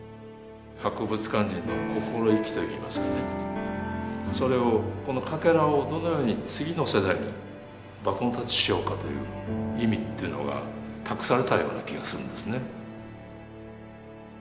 博物館人の心意気といいますかねそれをこのかけらをどのように次の世代にバトンタッチしようかという意味っていうのが託されたような気がするんですね。